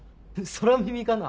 空耳かな？